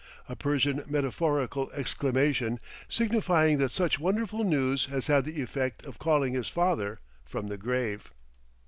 a Persian metaphorical exclamation, signifying that such wonderful news has had the effect of calling his father from the grave.